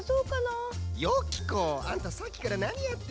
あんたさっきからなにやってるのよ。